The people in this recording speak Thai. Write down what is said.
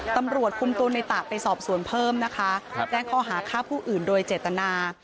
ตำรวจคุมตัวในตะไปสอบสวนเพิ่มนะคะแจ้งข้อหาฆ่าผู้อื่นโดยเจตนา